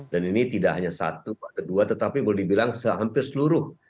dan ini tidak hanya satu ada dua tetapi boleh dibilang sehampir seluruh